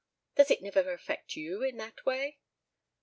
Does it never affect you in that way?"